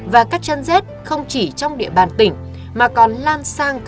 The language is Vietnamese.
và các chân rết không được bắt được